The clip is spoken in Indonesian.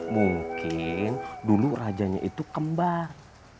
mungkin dulu rajanya itu kembar